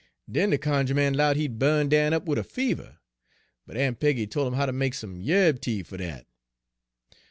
Den de cunjuh man 'lowed he'd bu'n Dan up wid a fever, but Aun' Peggy tol' 'im how ter make some yarb tea fer dat.